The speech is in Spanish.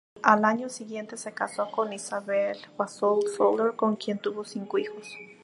Al año siguiente se casó con Isabel Bassols Soler, con quien tuvo cinco hijos.